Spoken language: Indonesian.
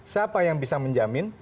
siapa yang bisa menjamin